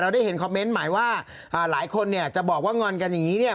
ได้เห็นคอมเมนต์หมายว่าหลายคนเนี่ยจะบอกว่างอนกันอย่างนี้เนี่ย